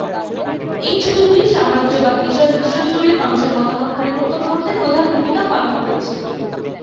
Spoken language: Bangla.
এই ছবিগুলি সাম্রাজ্যবাদ বিষয়ে বিশ্বজুড়ে মানুষের মতামত পরিবর্তন করতে প্রধান ভূমিকা পালন করেছিল।